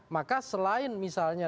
maka selain misalnya